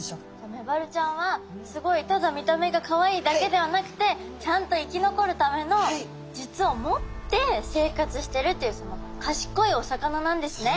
メバルちゃんはすごいただ見た目がかわいいだけではなくてちゃんと生き残るための術を持って生活してるっていうかしこいお魚なんですね。